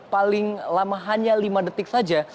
paling lama hanya lima detik saja